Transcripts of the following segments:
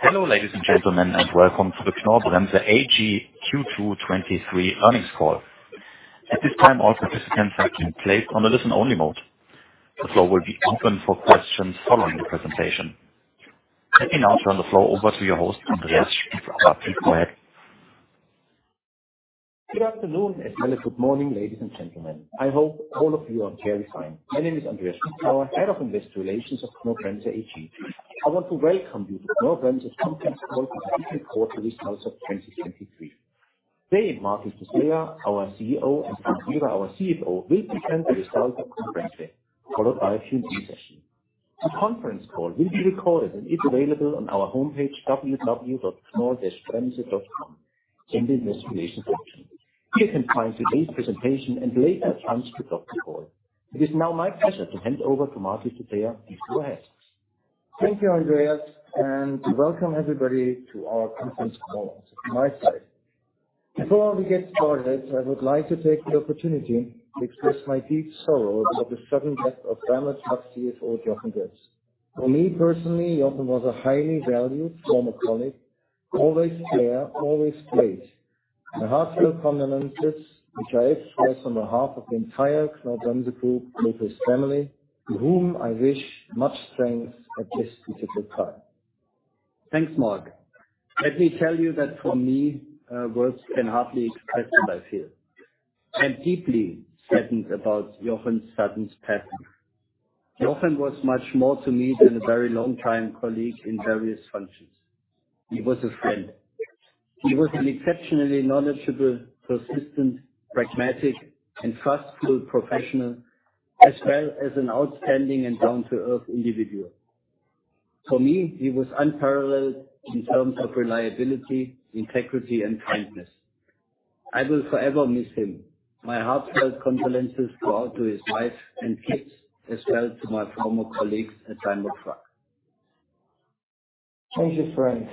Hello, ladies and gentlemen, and welcome to the Knorr-Bremse AG Q2 23 Earnings Call. At this time, all participants are in place on a listen-only mode. The floor will be open for questions following the presentation. Let me now turn the floor over to your host, Andreas. Please go ahead. Good afternoon, and well, good morning, ladies and gentlemen. I hope all of you are very fine. My name is Andreas Spitzauer, our Head of Investor Relations of Knorr-Bremse AG. I want to welcome you to Knorr-Bremse's Conference Call for the Second Quarterly Results of 2023. Today, Marc Llistosella, our CEO, and Frank Weber, our CFO, will present the results of Knorr-Bremse, followed by a Q&A session. The conference call will be recorded and is available on our homepage, www.knorr-bremse.com, in the Investor Relations section. You can find today's presentation and later, a transcript of the call. It is now my pleasure to hand over to Marc Llistosella. Please go ahead. Thank you, Andreas. Welcome everybody to our conference call from my side. Before we get started, I would like to take the opportunity to express my deep sorrow of the sudden death of Daimler Truck CFO, Jochen Götz. For me, personally, Jochen was a highly valued former colleague, always fair, always great. My heartfelt condolences, which I express on behalf of the entire Knorr-Bremse Group, with his family, to whom I wish much strength at this difficult time. Thanks, Marc. Let me tell you that for me, words can hardly express my fear. I'm deeply saddened about Jochen Götz's sudden passing. Jochen Götz was much more to me than a very long-time colleague in various functions. He was a friend. He was an exceptionally knowledgeable, persistent, pragmatic, and trustful professional, as well as an outstanding and down-to-earth individual. For me, he was unparalleled in terms of reliability, integrity, and kindness. I will forever miss him. My heartfelt condolences go out to his wife and kids, as well to my former colleagues at Daimler Truck. Thank you, Frank.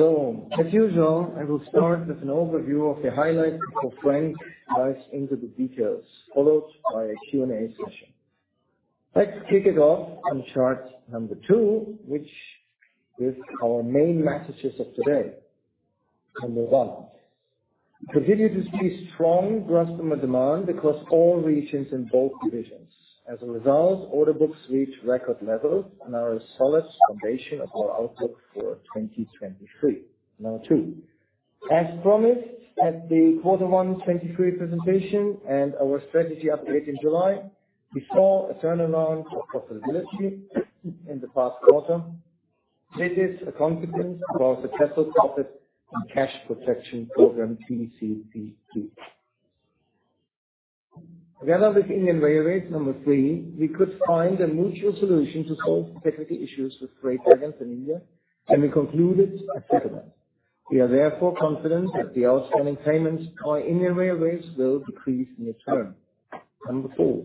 As usual, I will start with an overview of the highlights before Frank dives into the details, followed by a Q&A session. Let's kick it off on chart number two, which is our main messages of today. Number one, we continue to see strong customer demand across all regions in both divisions. As a result, order books reach record levels and are a solid foundation of our outlook for 2023. Number two, as promised at the quarter one 2023 presentation and our strategy update in July, we saw a turnaround of profitability in the past quarter. This is a consequence of our successful Profit and Cash Protection Program, PCCP. Together with Indian Railways, number three, we could find a mutual solution to solve the security issues with freight wagons in India, and we concluded a settlement. We are therefore confident that the outstanding payments by Indian Railways will decrease in the term. Number four,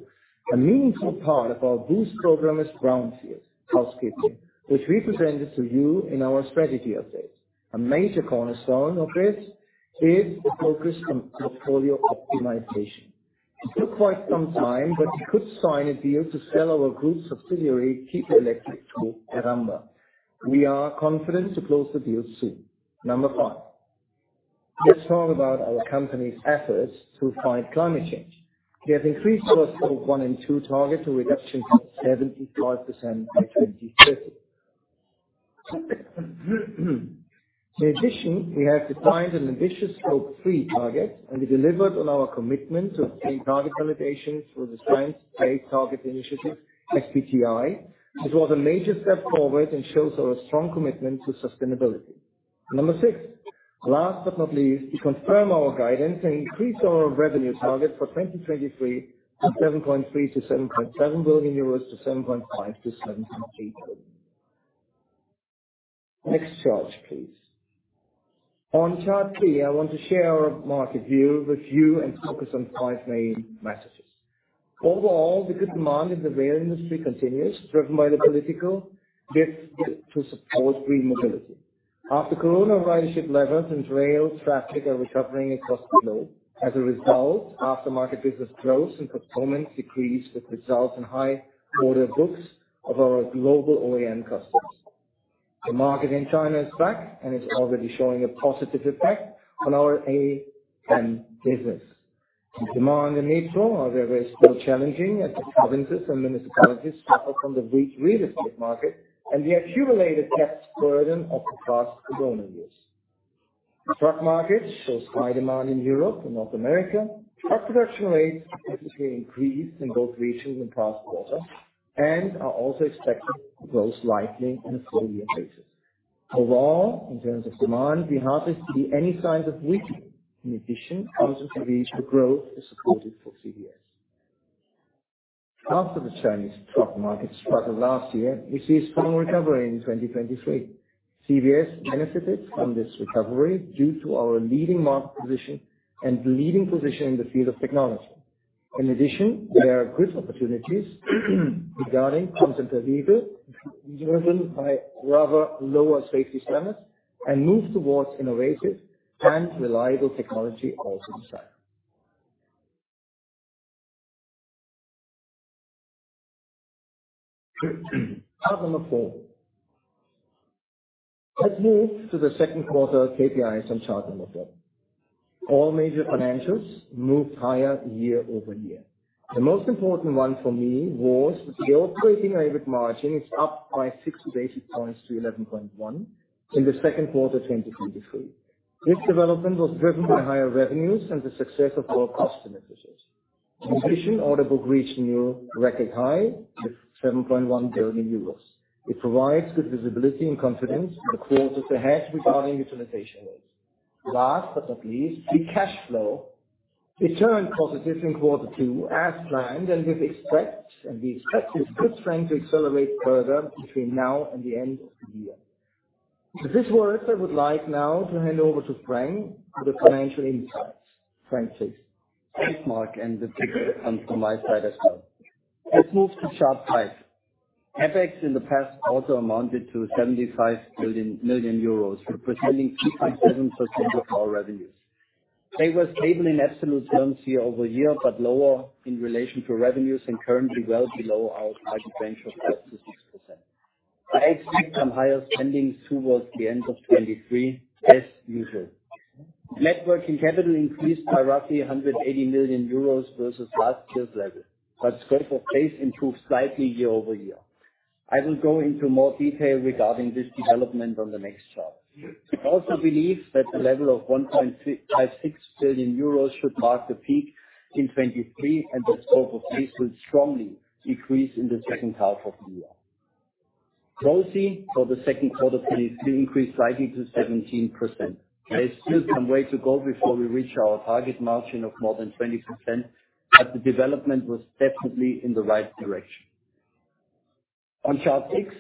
a meaningful part of our boost program is Brownfield, housekeeping, which we presented to you in our strategy update. A major cornerstone of this is the focus on portfolio optimization. It took quite some time, but we could sign a deal to sell our group subsidiary, Kiepe Electric, to Heramba. We are confident to close the deal soon. Number five, let's talk about our company's efforts to fight climate change. We have increased our scope one and two target to reduction to 75% by 2050. In addition, we have defined an ambitious scope three target, and we delivered on our commitment to obtain target validation through the Science Based Targets initiative, SBTi. It was a major step forward and shows our strong commitment to sustainability. Number six, last but not least, we confirm our guidance and increase our revenue target for 2023 to 7.3 billion-7.7 billion euros to 7.5 billion-7.8 billion. Next chart, please. On chart three, I want to share our market view with you and focus on five main messages. Overall, the good demand in the rail industry continues, driven by the political bid to support green mobility. After corona, ridership levels and rail traffic are recovering across the globe. As a result, aftermarket business growth and postponement decreased, which results in high order books of our global OEM customers. The market in China is back, it's already showing a positive effect on our AM business. The demand in Asia, however, is still challenging as the provinces and municipalities suffer from the weak real estate market and the accumulated tax burden of the past corona years. The truck market shows high demand in Europe and North America. Our production rates significantly increased in both regions in the past quarter and are also expected to grow slightly on a full year basis. Overall, in terms of demand, we hardly see any signs of weakening. Constant regional growth is supported for CVS. After the Chinese truck market struggled last year, we see a strong recovery in 2023. CVS benefited from this recovery due to our leading market position and the leading position in the field of technology. There are good opportunities regarding constant behavior, driven by rather lower safety standards.... and move towards innovative and reliable technology also inside. Chart number four. Let's move to the second quarter KPIs on chart number four. All major financials moved higher year-over-year. The most important one for me was the Operating EBIT margin is up by 60 basis points to 11.1 in the second quarter 2023. This development was driven by higher revenues and the success of our cost initiatives. In addition, order book reached new record high with 7.1 billion euros. It provides good visibility and confidence in the quarters ahead regarding utilization rates. Last but not least, the cash flow returned positive in quarter two as planned, we expect this good trend to accelerate further between now and the end of the year. With this words, I would like now to hand over to Frank for the financial insights. Frank, please. Thanks, Mark. The pleasure comes from my side as well. Let's move to chart five. CapEx in the past quarter amounted to 75 million euros, representing 2.7% of our revenues. They were stable in absolute terms year-over-year, but lower in relation to revenues and currently well below our target range of 5%-6%. I expect some higher spendings towards the end of 2023, as usual. Net working capital increased by roughly 180 million euros versus last year's level, but scope and pace improved slightly year-over-year. I will go into more detail regarding this development on the next chart. We also believe that the level of 1.56 billion euros should mark the peak in 2023, and the scope and pace will strongly decrease in the second half of the year. Grossly, for the second quarter, please, we increased slightly to 17%. There is still some way to go before we reach our target margin of more than 20%, but the development was definitely in the right direction. On chart six,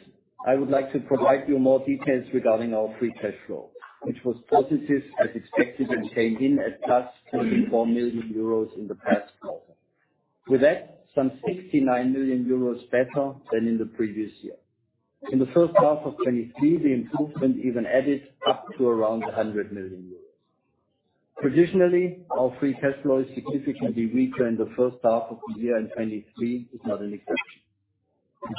I would like to provide you more details regarding our free cash flow, which was positive as expected, and came in at +24 million euros in the past quarter. With that, some 69 million euros better than in the previous year. In the first half of 2023, the improvement even added up to around 100 million euros. Traditionally, our free cash flow is significantly weaker in the first half of the year, and 2023 is not an exception.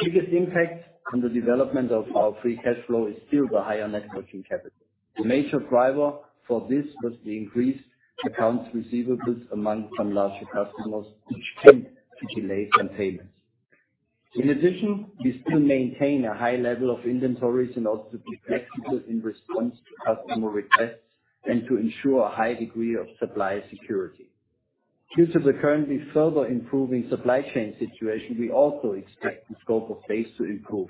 The biggest impact on the development of our free cash flow is still the higher net working capital. The major driver for this was the increased accounts receivables among some larger customers, which tend to delay some payments. We still maintain a high level of inventories in order to be flexible in response to customer requests and to ensure a high degree of supply security. Due to the currently further improving supply chain situation, we also expect the scope of base to improve.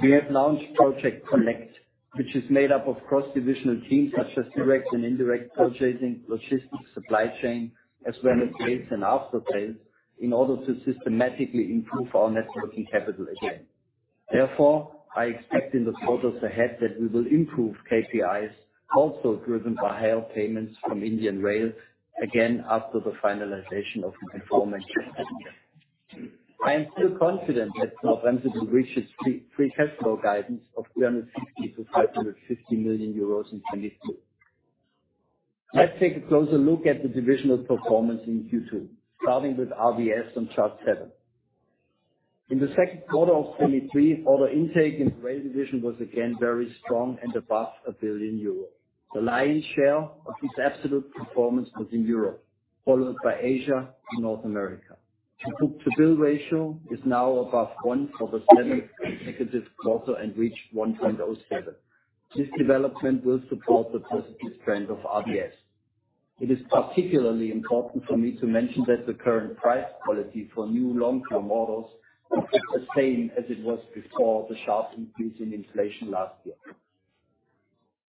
We have launched Project Connect, which is made up of cross-divisional teams such as direct and indirect purchasing, logistics, supply chain, as well as sales and aftersales, in order to systematically improve our net working capital again. I expect in the quarters ahead that we will improve KPIs, also driven by higher payments from Indian Railways, again, after the finalization of the performance this year. I am still confident that North Anthony will reach its free cash flow guidance of 360 million-550 million euros in 2022. Let's take a closer look at the divisional performance in Q2, starting with RVS on chart seven. In the second quarter of 2023, order intake in the rail division was again very strong and above 1 billion euros. The lion's share of its absolute performance was in Europe, followed by Asia and North America. The book-to-bill ratio is now above one for the seventh consecutive quarter and reached 1.07. This development will support the positive trend of RVS. It is particularly important for me to mention that the current price quality for new long-term models is the same as it was before the sharp increase in inflation last year.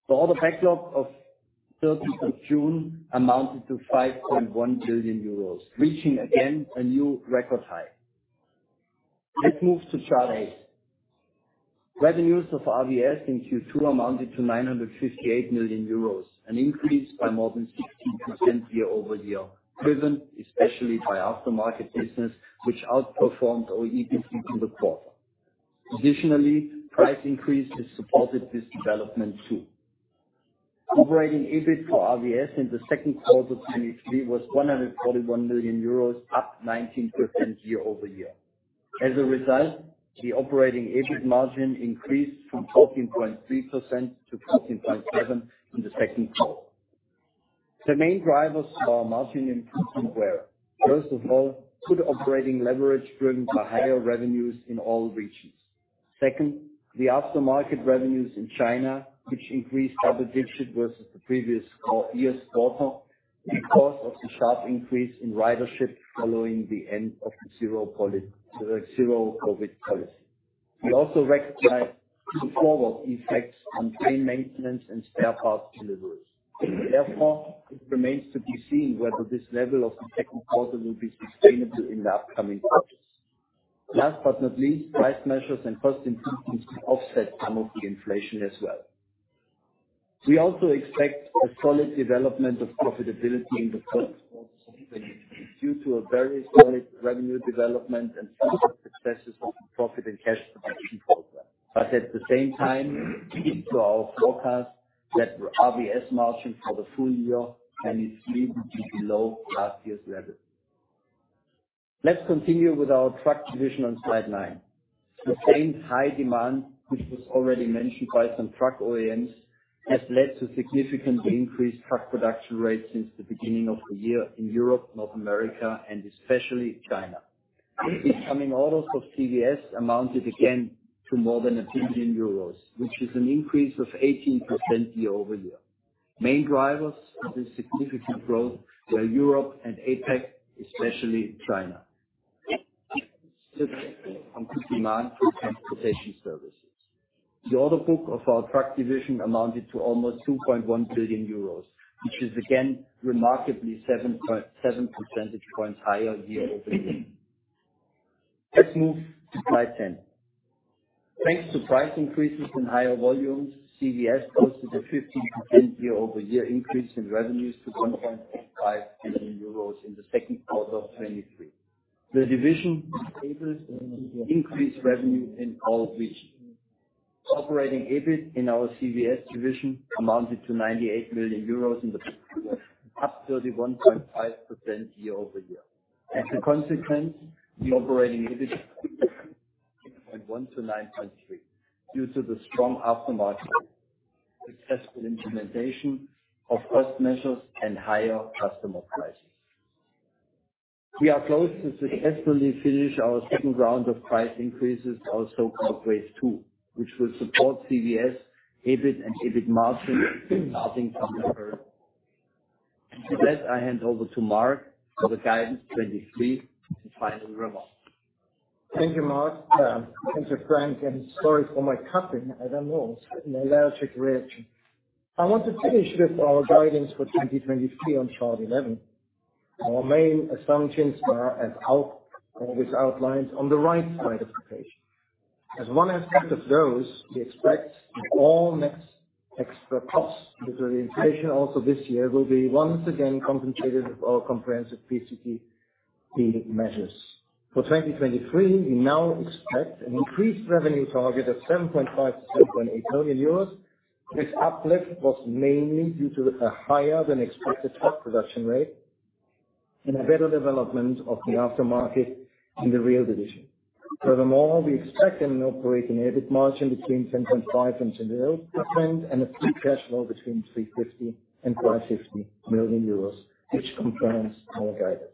The order backlog of June 13th amounted to 5.1 billion euros, reaching again a new record high. Let's move to chart eight. Revenues of RVS in Q2 amounted to 958 million euros, an increase by more than 16% year-over-year, driven especially by aftermarket business, which outperformed our OE in the quarter. Additionally, price increases supported this development, too. Operating EBIT for RVS in the second quarter of 2023 was 141 million euros, up 19% year-over-year. As a result, the operating EBIT margin increased from 14.3%-14.7% in the second quarter. The main drivers for our margin improvement were, first of all, good operating leverage driven by higher revenues in all regions. Second, the aftermarket revenues in China, which increased double-digit versus the previous year's quarter because of the sharp increase in ridership following the end of the zero COVID policy. We also recognized the forward effects on train maintenance and spare parts deliveries. Therefore, it remains to be seen whether this level of the second quarter will be sustainable in the upcoming quarters. Last not least, price measures and cost improvements to offset some of the inflation as well. We also expect a solid development of profitability in the first quarter, due to a very solid revenue development and further successes of the profit and cash production program. At the same time, we keep to our forecast that RVS margin for the full year can easily be below last year's level. Let's continue with our truck division on slide nine. The same high demand, which was already mentioned by some truck OEMs, has led to significantly increased truck production rates since the beginning of the year in Europe, North America, and especially China. Becoming orders of CVS amounted again to more than 1 billion euros, which is an increase of 18% year-over-year. Main drivers of this significant growth were Europe and APAC, especially China. On good demand for transportation services. The order book of our truck division amounted to almost 2.1 billion euros, which is again, remarkably 7.7 percentage points higher year-over-year. Let's move to slide 10. Thanks to price increases and higher volumes, CVS posted a 15% year-over-year increase in revenues to 1.5 billion euros in 2Q 2023. The division enables increased revenue in all regions. Operating EBIT in our CVS division amounted to 98 million euros in the, up 31.5% year-over-year. As a consequence, the operating EBIT 9.1-9.3 due to the strong aftermarket, successful implementation of cost measures, and higher customer prices. We are close to successfully finish our second round of price increases, also called phase II, which will support CVS, EBIT, and EBIT margin starting from the third. With that, I hand over to Marc for the guidance 2023 and final remarks. Thank you, Marc Llistosella. Thank you, Frank Markus Weber, and sorry for my coughing. I don't know, it's an allergic reaction. I want to finish with our guidance for 2023 on chart 11. Our main assumptions are, as outlined on the right side of the page. As one aspect of those, we expect that all next extra costs due to the inflation also this year, will be once again compensated with our comprehensive Profit and Cash Protection Program measures. For 2023, we now expect an increased revenue target of 7.5 billion-7.8 billion euros. This uplift was mainly due to a higher-than-expected truck production rate and a better development of the aftermarket in the rail division. Furthermore, we expect an Operating EBIT margin between 10.5% and 10%, and a free cash flow between 350 million and 550 million euros, which confirms our guidance.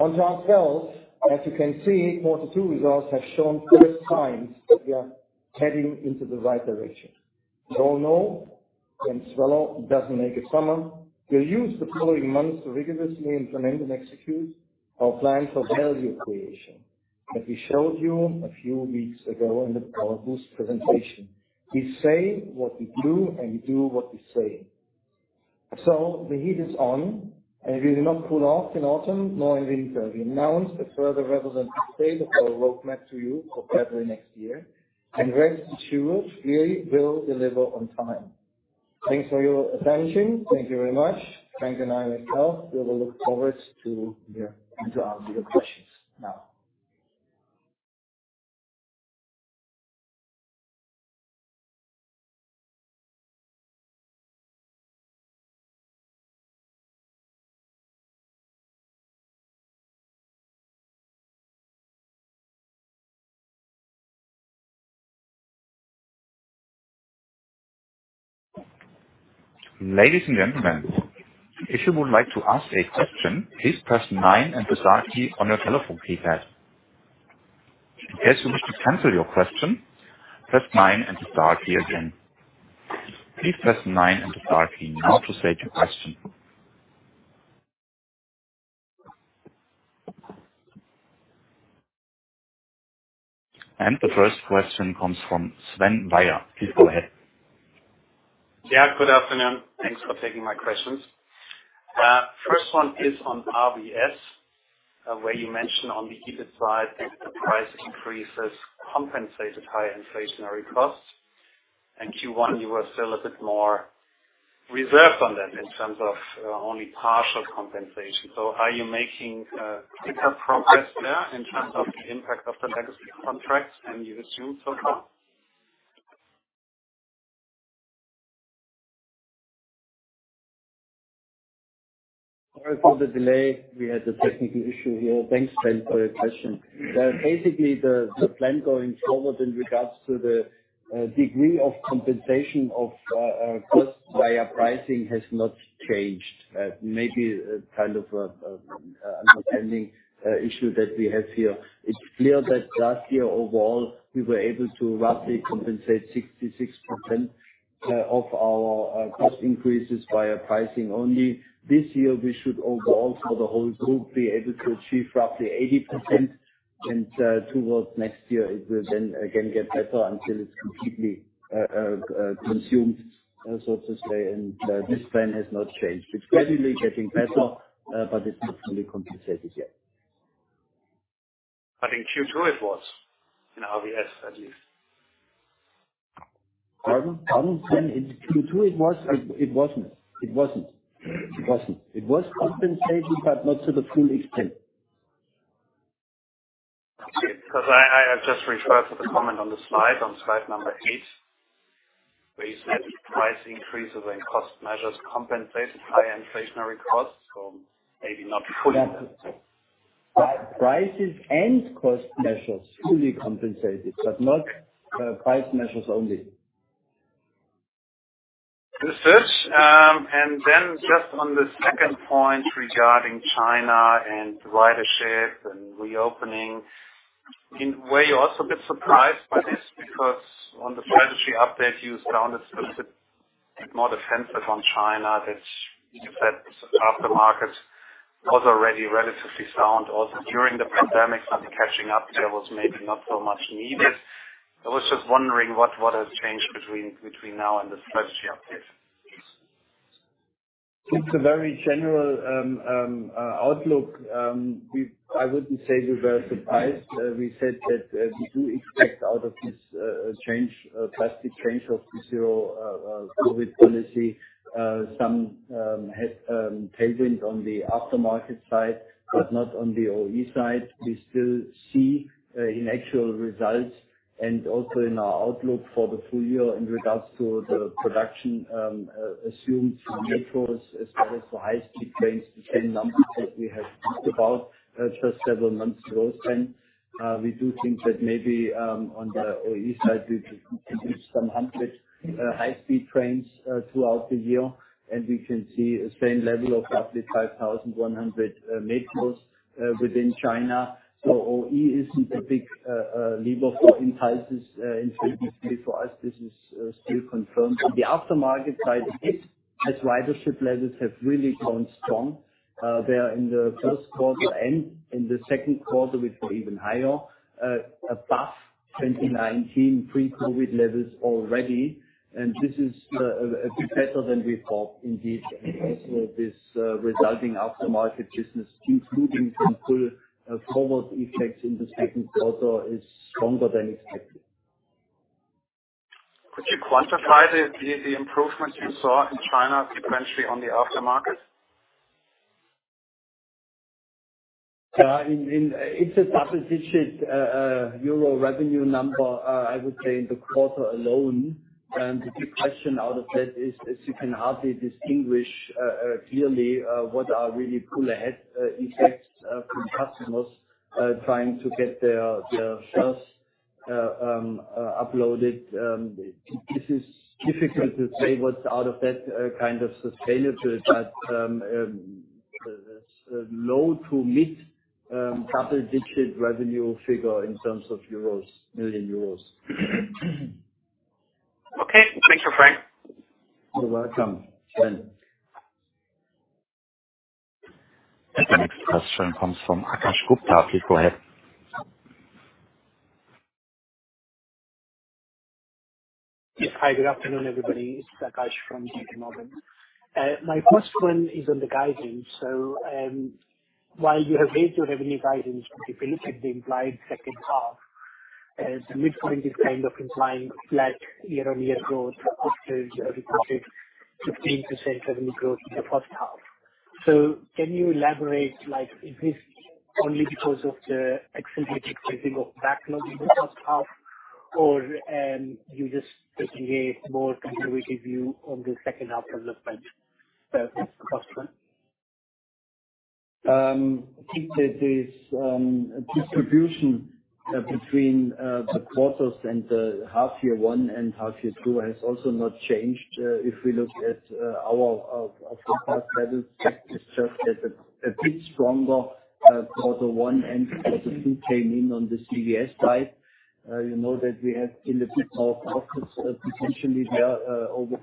On top sales, as you can see, quarter two results have shown clear signs that we are heading into the right direction. We all know one swallow doesn't make a summer. We'll use the following months to rigorously implement and execute our plan for value creation, as we showed you a few weeks ago in the Power Boost presentation. We say what we do, and we do what we say. The heat is on, and it will not cool off in autumn, nor in winter. We announced a further relevant update of our roadmap to you for February next year, and rest assured, we will deliver on time. Thanks for your attention. Thank you very much, Frank and I myself. We will look forward to hear and to answer your questions now. Ladies and gentlemen, if you would like to ask a question, please press nine and the star key on your telephone keypad. In case you wish to cancel your question, press nine and the star key again. Please press nine and the star key now to state your question. The first question comes from Sven Weier. Please go ahead. Yeah, good afternoon. Thanks for taking my questions. First one is on RVS, where you mentioned on the EBIT side that the price increases compensated higher inflationary costs. In Q1, you were still a bit more reserved on that in terms of only partial compensation. Are you making quicker progress there in terms of the impact of the legacy contracts than you assumed so far? Sorry for the delay. We had a technical issue here. Thanks, Sven, for your question. Basically, the, the plan going forward in regards to the degree of compensation of cost via pricing has not changed. Maybe kind of understanding issue that we have here. It's clear that last year, overall, we were able to roughly compensate 66% of our cost increases via pricing only. This year, we should overall, for the whole group, be able to achieve roughly 80%, towards next year, it will then again get better until it's completely consumed, so to say. This plan has not changed. It's gradually getting better, but it's not fully compensated yet. I think Q2 it was, in RVS at least. I don't, I don't think in Q2 it was, it, it wasn't. It wasn't. It wasn't. It was compensated, but not to the full extent. Okay. Because I, I just refer to the comment on the slide, on slide number eight, where you said price increases and cost measures compensated high inflationary costs. Maybe not fully. Prices and cost measures fully compensated, but not price measures only. Understood. Then just on the second point regarding China and ridership and reopening, in were you also a bit surprised by this? Because on the strategy update, you sounded a little bit more defensive on China, that you said aftermarket was already relatively sound also during the pandemic, and the catching up there was maybe not so much needed. I was just wondering what, what has changed between, between now and the strategy update. It's a very general outlook. We -- I wouldn't say we were surprised. We said that we do expect out of this change, drastic change of zero-COVID policy, some head tailwind on the aftermarket side, but not on the OE side. We still see in actual results and also in our outlook for the full year in regards to the production, assumed metros, as well as the high-speed trains, the same numbers that we had talked about just several months ago. We do think that maybe on the OE side, we could reduce some 100 high-speed trains throughout the year, and we can see the same level of roughly 5,100 metros within China. OE isn't a big lever for entices in for us. This is still confirmed. On the aftermarket side, it, as ridership levels have really gone strong. They are in the first quarter and in the second quarter, which were even higher above 2019 pre-COVID levels already. This is a bit better than we thought indeed. Also this resulting aftermarket business, including some pull forward effects in the second quarter is stronger than expected. Could you quantify the improvements you saw in China, potentially on the aftermarket? In, in, it's a double-digit EUR revenue number, I would say in the quarter alone. The big question out of that is, is you can hardly distinguish clearly what are really pull ahead effects from customers trying to get their, their shelves uploaded. This is difficult to say what's out of that kind of sustainability, but low to mid double-digit revenue figure in terms of EUR, million EUR. Okay. Thanks, Frank. You're welcome, Sven. The next question comes from Akash Gupta. Please go ahead. Yes. Hi, good afternoon, everybody. It's Akash from JP Morgan. My first one is on the guidance. So, while you have raised your revenue guidance, if you look at the implied second half, the midpoint is kind of implying flat year-on-year growth, after you recorded 15% revenue growth in the first half. So can you elaborate, like, is this only because of the accelerated pacing of backlog in the first half, or, you just take a more conservative view on the second half of the spend? First one. I think that this distribution between the quarters and the half year one and half year two has also not changed. If we look at our first half levels, it's just that a bit stronger quarter one and quarter two came in on the CVS side. You know, that we have seen a bit of outputs, potentially there, over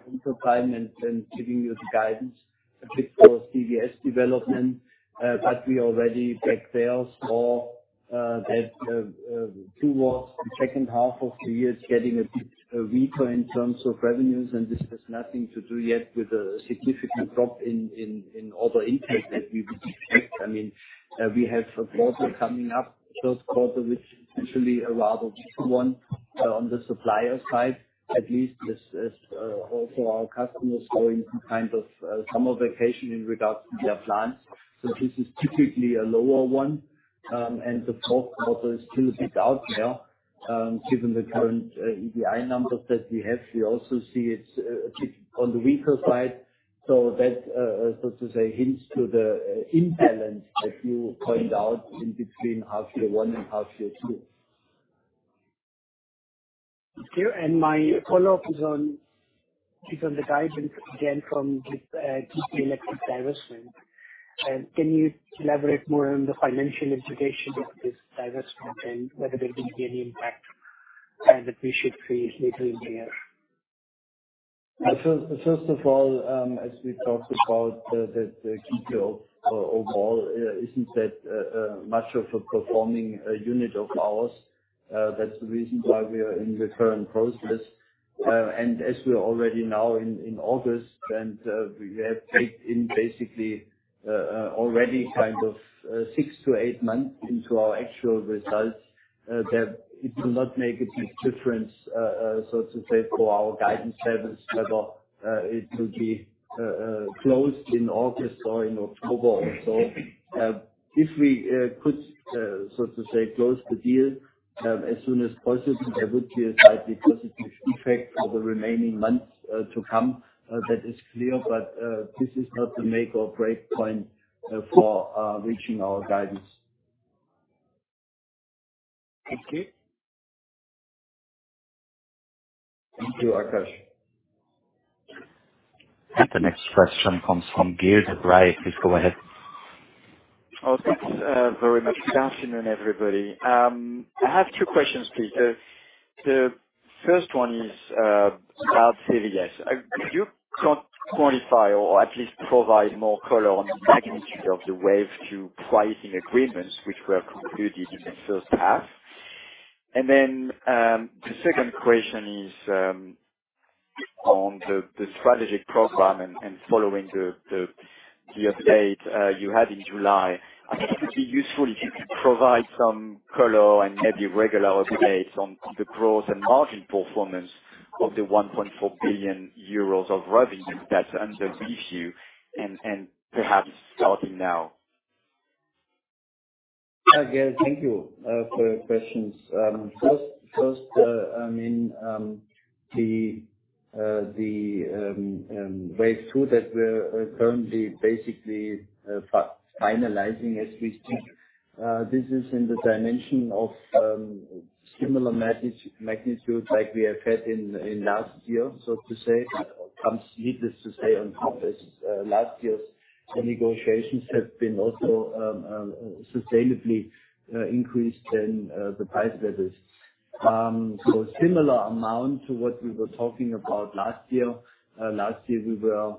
time and giving you the guidance a bit for CVS development. But we already expect there or that towards the second half of the year is getting a bit weaker in terms of revenues, and this has nothing to do yet with a significant drop in order intake that we would expect. I mean, we have a quarter coming up, first quarter, which is usually a rather weak one on the supplier side. At least as, as, also our customers going through kind of summer vacation in regards to their plans. This is typically a lower one, and the fourth quarter is still a bit out there. Given the current EBIT numbers that we have, we also see it's a bit on the weaker side. That, so to say, hints to the imbalance that you pointed out in between half year one and half year two. Thank you. My follow-up is on, is on the guidance again from this Kiepe Electric diversion. Can you elaborate more on the financial implication of this divestment and whether there will be any impact, and if we should create later in the year? First, first of all, as we talked about, the Kichle overall, isn't that much of a performing unit of ours. That's the reason why we are in the current process. As we are already now in August, we have take in basically already kind of six to eight months into our actual results, that it will not make a big difference, so to say, for our guidance levels, whether it will be closed in August or in October or so. If we could, so to say, close the deal, as soon as possible, there would be a slightly positive effect for the remaining months to come. That is clear, but, this is not the make or break point for, reaching our guidance. Thank you. Thank you, Akash. The next question comes from Jorge Gonzalez. Please go ahead. Oh, thanks, very much. Good afternoon, everybody. I have two questions, please. The, the first one is, about CVS. If you can't quantify or at least provide more color on the magnitude of the wave two pricing agreements, which were concluded in the first half. The second question is, on the, the strategic program and, and following the, the, the update, you had in July. I think it would be useful if you could provide some color and maybe regular updates on the growth and margin performance of the 1.4 billion euros of revenue that's under review and, and perhaps starting now. Hi, Gerd. Thank you for your questions. First, first, I mean, the, the, wave two that we're currently basically finalizing as we speak, this is in the dimension of similar magnitude like we have had in last year, so to say. Comes needless to say, on top as last year's negotiations have been also sustainably increased in the price levels. Similar amount to what we were talking about last year. Last year we were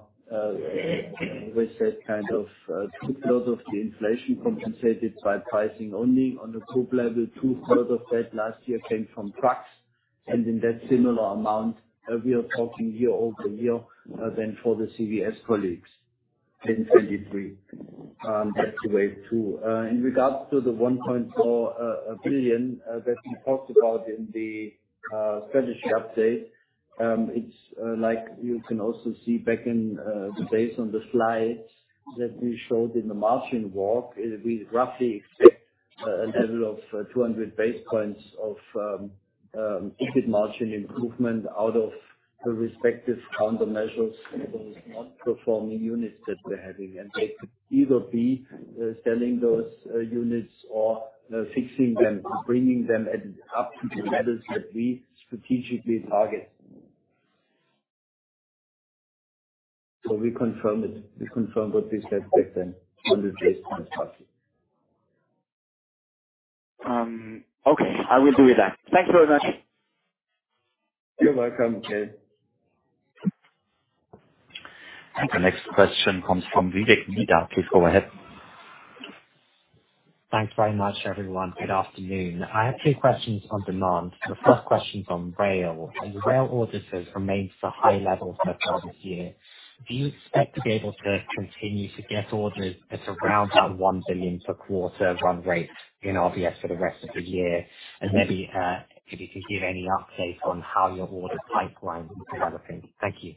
with that kind of 2/3 of the inflation compensated by pricing only on the group level. 2/3 of that last year came from trucks, and in that similar amount, we are talking year-over-year than for the CVS colleagues in 2023. That's the wave two. In regards to the 1.4 billion that we talked about in the strategy update, it's like you can also see back in the days on the slides that we showed in the margin walk, is we roughly expect a level of 200 base points of EBIT margin improvement out of the respective countermeasures in those non-performing units that we're having. They could either be selling those units or fixing them, bringing them up to the levels that we strategically target. We confirm it. We confirm what we said back then, 100 base points target. Okay, I will do that. Thanks very much. You're welcome, Gerd. The next question comes from Vivek Midha. Please go ahead. Thanks very much, everyone. Good afternoon. I have two questions on demand. The first question's on rail. The rail orders have remained at a high level so far this year. Do you expect to be able to continue to get orders at around that 1 billion per quarter run rate in RVS for the rest of the year? Maybe, if you could give any update on how your order pipeline is developing. Thank you.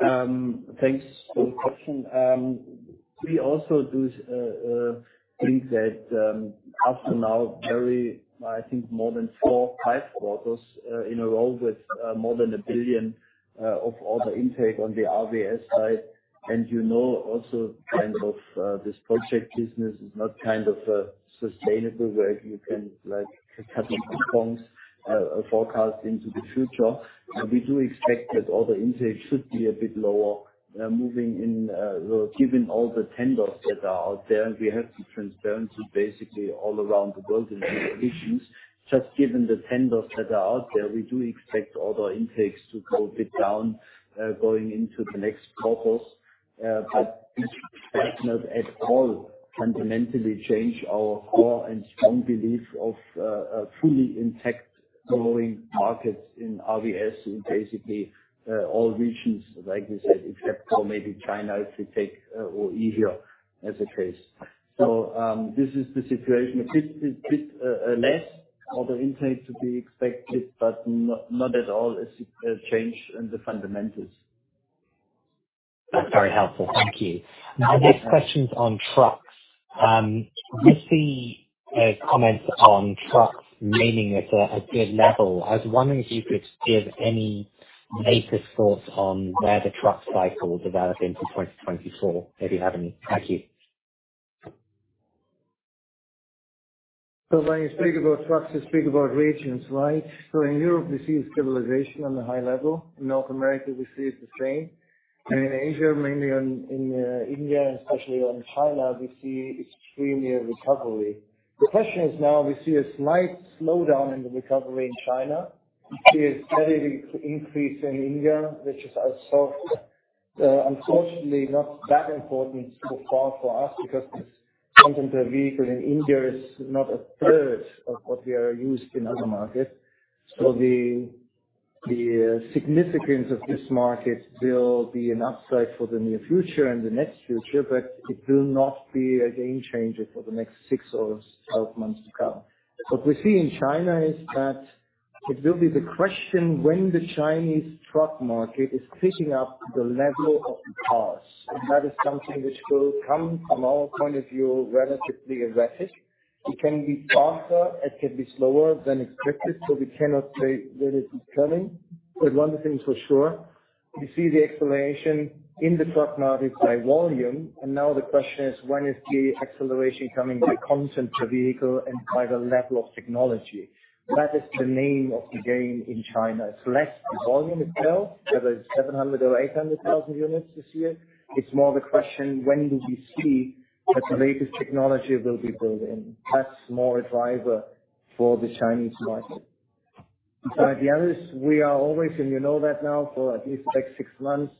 Thanks for the question. we also do think that up to now, very, I think more than four, five quarters in a row with more than 1 billion of order intake on the RVS side. you know, also, kind of, this project business is not kind of, sustainable, where you can, like, cut performance forecast into the future. We do expect that order intake should be a bit lower, moving in, well, given all the tenders that are out there, we have some transparency basically all around the world in regions. Just given the tenders that are out there, we do expect order intakes to go a bit down, going into the next quarters. This does not at all fundamentally change our core and strong belief of a fully intact growing market in RVS, in basically all regions, like we said, except for maybe China, if you take or India as a case. This is the situation. A bit, bit less order intake to be expected, but not, not at all a change in the fundamentals. That's very helpful. Thank you. Now- The next question's on trucks. We see comments on trucks remaining at a, a good level. I was wondering if you could give any latest thoughts on where the truck cycle will develop into 2024, if you have any. Thank you. When you speak about trucks, you speak about regions, right? In Europe, we see stabilization on the high level. In North America, we see it the same. In Asia, mainly on, in India and especially in China, we see extremely recovery. The question is now we see a slight slowdown in the recovery in China. We see a steady increase in India, which is ourself. Unfortunately, not that important so far for us, because content per vehicle in India is not a third of what we are used in other markets. So the, the, significance of this market will be an upside for the near future and the next future, but it will not be a game changer for the next six or 12 months to come. What we see in China is that it will be the question when the Chinese truck market is picking up the level of the cars, and that is something which will come, from our point of view, relatively aggressive. It can be faster, it can be slower than expected, so we cannot say where it is coming. One thing for sure, we see the explanation in the truck market by volume, and now the question is: When is the acceleration coming by content per vehicle and by the level of technology? That is the name of the game in China. It's less the volume itself, whether it's 700,000 or 800,000 units this year. It's more the question: When do we see that the latest technology will be built in? That's more a driver for the Chinese market. The others, we are always, and you know that now for at least like six months,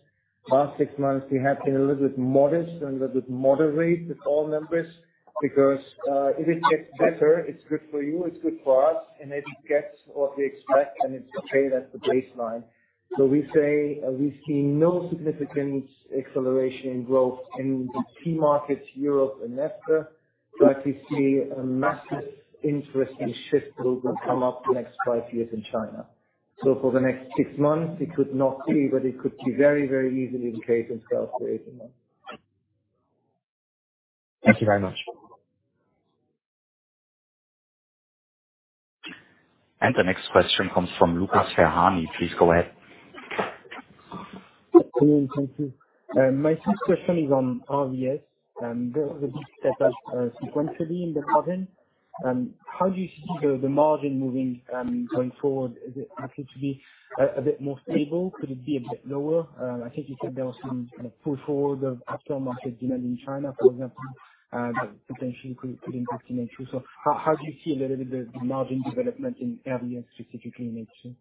last six months, we have been a little bit modest and a little bit moderate with all numbers, because if it gets better, it's good for you, it's good for us, and if it gets what we expect, then it's okay, that's the baseline. We say we see no significant acceleration in growth in the key markets, Europe and NAFTA, but we see a massive interesting shift will come up the next five years in China. For the next 6 months, we could not see, but it could be very, very easily the case in itself for 18 months. Thank you very much. The next question comes from Lucas Ferhani. Please go ahead. Good morning. Thank you. My first question is on RVS. The results are sequentially in the pattern. How do you see the, the margin moving, going forward? Is it likely to be a, a bit more stable? Could it be a bit lower? I think you said there was some kind of push forward of aftermarket demand in China, for example, that potentially could, could impact in H2. How, how do you see a little bit the, the margin development in RVS, specifically in H2?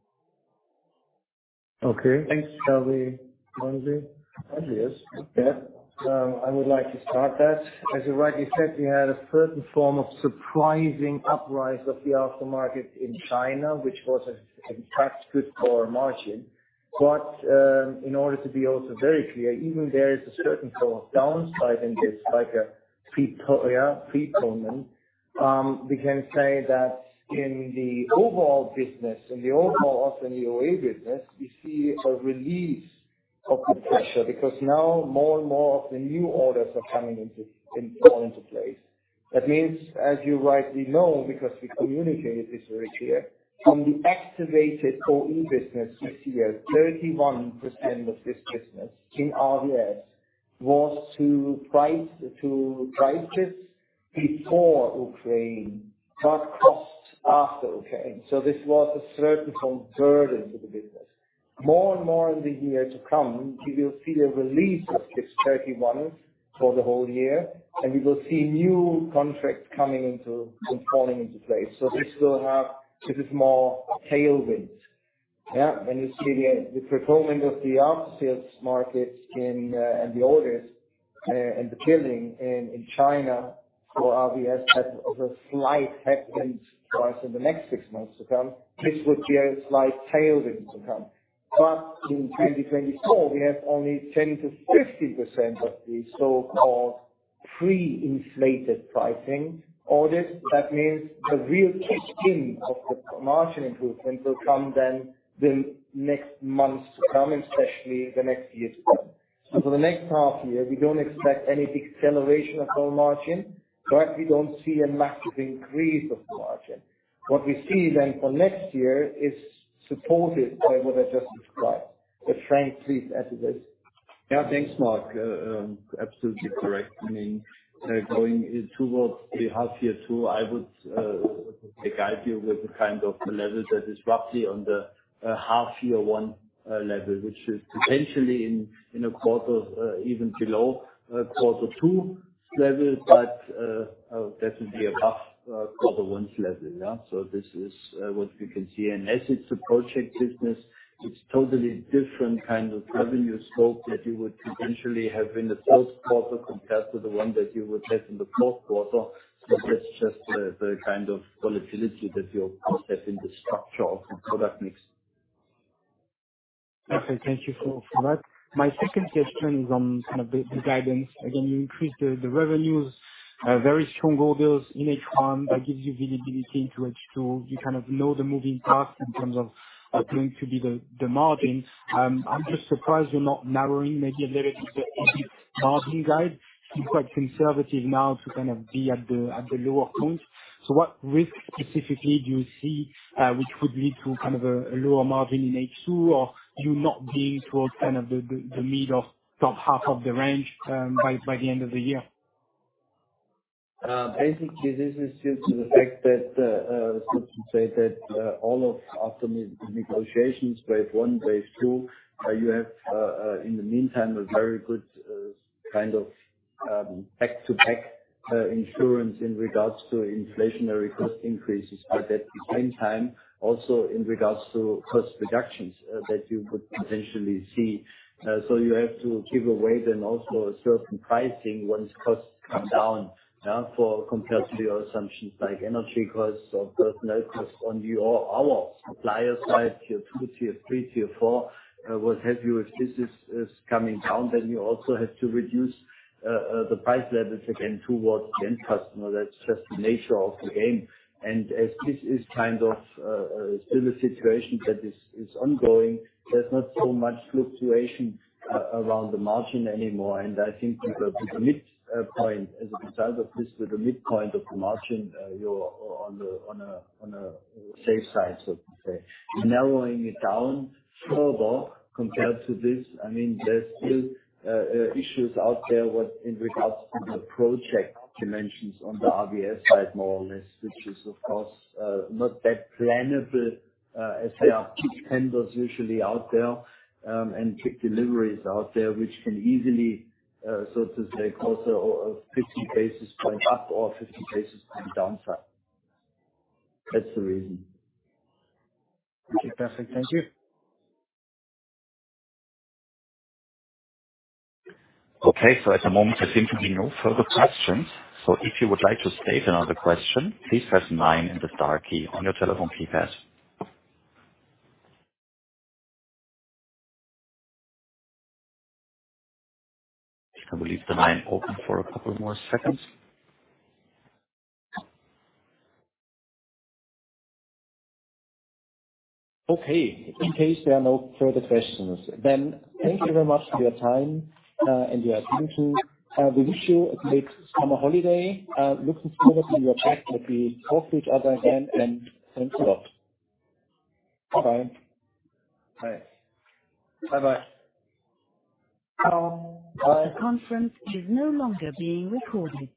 Okay, thanks, shall we... Andreas? Andreas. Yeah. I would like to start that. As you rightly said, we had a certain form of surprising uprise of the aftermarket in China, which was a, in fact, good for our margin. In order to be also very clear, even there is a certain form of downside in this, like a pre- we can say that in the overall business, in the overall OE business, we see a release of the pressure, because now more and more of the new orders are coming into -- in, all into place. That means, as you rightly know, because we communicate this very clear, from the activated OE business we see as 31% of this business in RVS was to price, to prices before Ukraine, but costs after Ukraine. This was a certain form of burden to the business. More and more in the year to come, we will see a release of this 31% for the whole year, and we will see new contracts coming into and falling into place. We still have a bit more tailwinds. Yeah, and you see the, the performance of the aftersales market in, and the orders, and the billing in, in China for RVS has over a slight headwind price in the next six months to come. This would be a slight tailwind to come. In 2024, we have only 10%-50% of the so-called pre-inflated pricing orders. That means the real kick in of the margin improvement will come then, the next months to come, especially the next years to come. For the next half year, we don't expect any big acceleration of our margin, but we don't see a massive increase of the margin. What we see then for next year is supported by what I just described. Frank, please add to this. Thanks, Mark. Absolutely correct. I mean, going towards the half year two, I would guide you with the kind of level that is roughly on the half year 1 level, which is potentially in a quarter, even below quarter two level, but definitely above quarter one level. This is what we can see. As it's a project business, it's totally different kind of revenue scope that you would potentially have in the first quarter compared to the one that you would have in the fourth quarter. That's just the kind of volatility that you have in the structure of the product mix. Okay. Thank you for, for that. My second question is on kind of the, the guidance. Again, you increased the, the revenues, very strong orders in H1. That gives you visibility into H2. You kind of know the moving parts in terms of what's going to be the, the margin. I'm just surprised you're not narrowing maybe a little bit the margin guide. You're quite conservative now to kind of be at the, at the lower point. So what risk specifically do you see, which would lead to kind of a, a lower margin in H2, or you not being towards kind of the, the, the mid of top half of the range, by, by the end of the year? Basically, this is due to the fact that, let's just say that, all of after the negotiations, phase I, phase II, you have, in the meantime, a very good.... kind of back-to-back insurance in regards to inflationary cost increases, but at the same time, also in regards to cost reductions that you could potentially see. You have to give away then also certain pricing once costs come down for compared to your assumptions, like energy costs or personnel costs on your, our supplier side, tier two, tier three, tier four. What have you, if this is coming down, then you also have to reduce the price levels again towards the end customer. That's just the nature of the game. As this is kind of still a situation that is ongoing, there's not so much fluctuation around the margin anymore. I think with the, with the midpoint, as a result of this, with the midpoint of the margin, you're on a, on a, on a safe side, so to say. Narrowing it down further compared to this, I mean, there's still issues out there with, in regards to the project dimensions on the RVS side, more or less, which is, of course, not that plannable, as there are peak tenders usually out there, and peak deliveries out there, which can easily, so to say, cause a 50 basis point up or 50 basis point downside. That's the reason. Okay, perfect. Thank you. Okay, at the moment there seem to be no further questions. If you would like to state another question, please press nine and the star key on your telephone keypad. I will leave the line open for a couple more seconds. Okay. In case there are no further questions, then thank you very much for your time, and your attention. We wish you a great summer holiday. Looking forward to your back that we talk to each other again, and thanks a lot. Bye-bye. Bye. Bye-bye. The conference is no longer being recorded.